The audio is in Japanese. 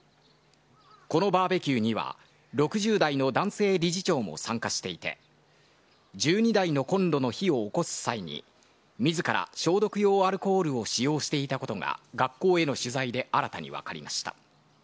このバーベキューには６０代の男性理事長も参加していて１２台のコンロの火をおこす際に自ら消毒用アルコールを使用していたことが学校への取材で新たに分かりました。